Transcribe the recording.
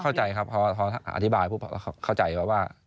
เข้าใจครับเพราะเขาอธิบายปุ๊บเข้าใจว่า